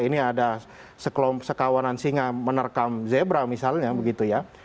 ini ada sekawanan singa menerkam zebra misalnya begitu ya